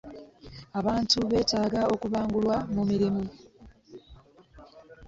Abantu beetaga okubangulwa mu mirimu.